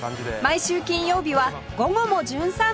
毎週金曜日は『午後もじゅん散歩』